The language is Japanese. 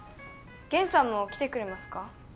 ゲンさんも来てくれますか？